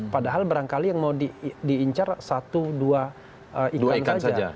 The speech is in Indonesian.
padahal barangkali yang mau diincar satu dua iklan saja